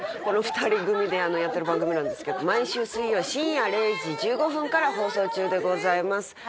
この２人組でやってる番組なんですけど毎週水曜深夜０時１５分から放送中でございます。